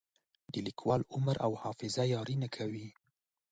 د لیکوال عمر او حافظه یاري نه کوي.